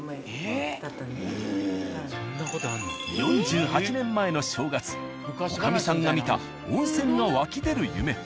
４８年前の正月女将さんが見た温泉が湧き出る夢。